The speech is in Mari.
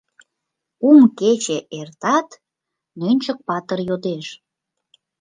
Кум кече эртат, Нӧнчык-патыр йодеш:.